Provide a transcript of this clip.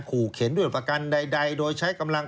ขู่เข็นด้วยประกันใดโดยใช้กำลัง